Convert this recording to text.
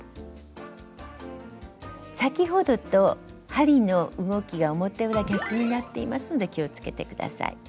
先ほどと針の動きが表裏逆になっていますので気をつけて下さい。